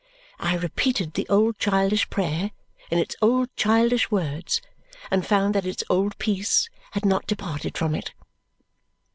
I repeated the old childish prayer in its old childish words and found that its old peace had not departed from it.